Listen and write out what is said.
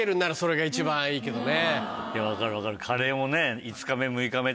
分かる分かる。